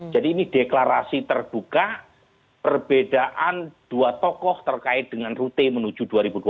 jadi ini deklarasi terbuka perbedaan dua tokoh terkait dengan rute menuju dua ribu dua puluh empat